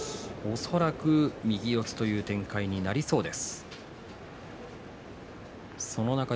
恐らく右四つという展開になりそうです。